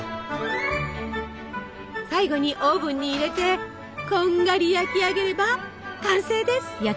最後にオーブンに入れてこんがり焼き上げれば完成です。